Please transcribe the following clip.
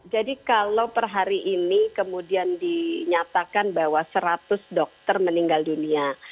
jadi kalau per hari ini kemudian dinyatakan bahwa seratus dokter meninggal dunia